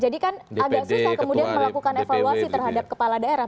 jadi kan agak susah kemudian melakukan evaluasi terhadap kepala daerah